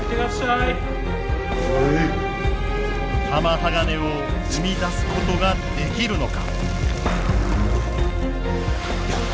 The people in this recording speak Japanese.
玉鋼を生み出すことができるのか。